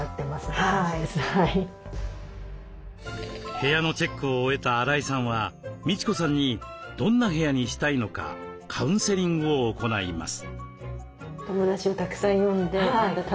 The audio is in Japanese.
部屋のチェックを終えた荒井さんはみち子さんにどんな部屋にしたいのかカウンセリングを行います。